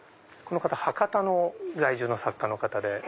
この方博多在住の作家の方で。